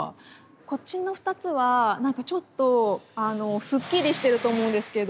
こっちの２つはなんかちょっとすっきりしてると思うんですけど。